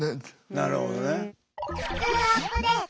なるほどね。